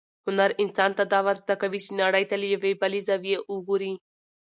هنر انسان ته دا ورزده کوي چې نړۍ ته له یوې بلې زاویې وګوري.